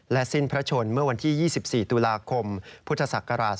และสิ้นพระชนเมื่อวันที่๒๔ตุลาคมพศ๒๕๕๖